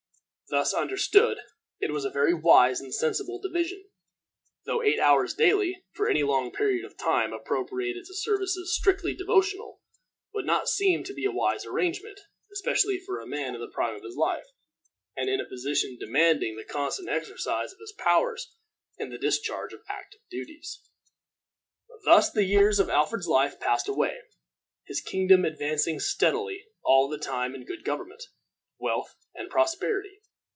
Thus understood, it was a very wise and sensible division; though eight hours daily for any long period of time, appropriated to services strictly devotional, would not seem to be a wise arrangement, especially for a man in the prime of life, and in a position demanding the constant exercise of his powers in the discharge of active duties. Thus the years of Alfred's life passed away, his kingdom advancing steadily all the time in good government, wealth, and prosperity.